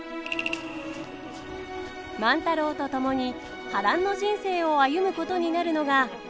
万太郎と共に波乱の人生を歩むことになるのが。